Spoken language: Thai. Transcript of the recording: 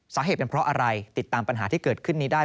สาเหตุเป็นเพราะอะไรติดตามปัญหาที่เกิดขึ้นนี้ได้